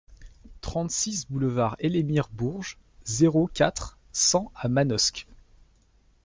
trente-six boulevard Elémir Bourges, zéro quatre, cent à Manosque